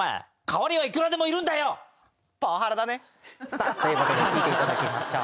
さあということで聴いていただきましょう。